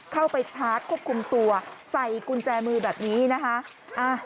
เข้าไปชาร์จควบคุมตัวใส่กุญแจมือแบบนี้นะคะ